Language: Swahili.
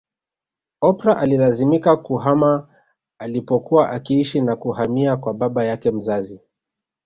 Oprah alilazimika kuhama alipokuwa akiishi na kuhamia kwa baba yake mzazi